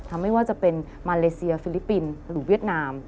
ไม่ว่าจะเป็นมาเลเซียฟิลิปปินส์หรือเวียดนาม